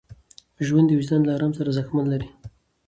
ژوند د وجدان له ارام سره ارزښتمن کېږي.